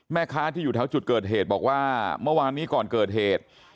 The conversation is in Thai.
แม่ค้าที่อยู่แถวจุดเกิดเหตุบอกว่าเมื่อวานนี้ก่อนเกิดเหตุ